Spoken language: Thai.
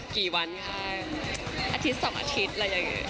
กี่วันค่ะอาทิตย์๒อาทิตย์อะไรอย่างนี้